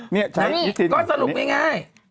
อ๋อนี่ใช้ยิทธินค่ะนี่นี่ก็สรุปง่าย